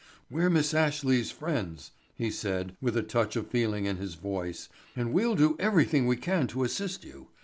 "We're Miss Ashley's friends," he said, with a touch of feeling in his voice, "and we'll do everything we can to assist you.